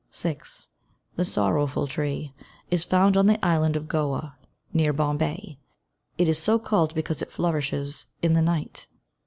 6. The "sorrowful tree" is found on the island of Goa, near Bombay. It is so called because it flourishes in the night.